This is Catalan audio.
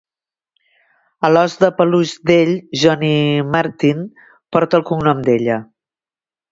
El ós de peluix d'ell "Johnny Martin" porta el cognom d'ella.